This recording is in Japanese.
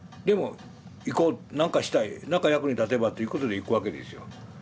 でも行こうなんかしたいなんか役に立てばということで行くわけですよ。